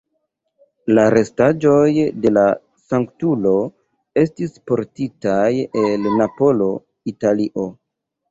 La restaĵoj de la sanktulo estis portitaj el Napolo, Italio.